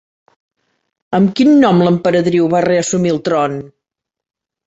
Amb quin nom l'emperadriu va reassumir el tron?